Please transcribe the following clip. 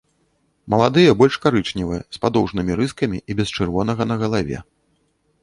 Маладыя больш карычневыя, з падоўжнымі рыскамі і без чырвонага на галаве.